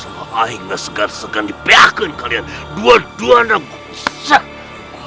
tidak segan dipeahkan kalian dua dua anak gue